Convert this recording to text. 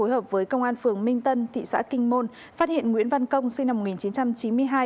hợp với công an phường minh tân thị xã kinh môn phát hiện nguyễn văn công sinh năm một nghìn chín trăm chín mươi hai